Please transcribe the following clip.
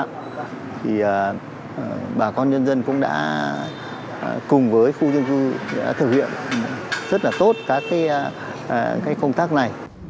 thì bà con nhân dân cũng đã cùng với khu dân cư đã thực hiện rất là tốt các công tác này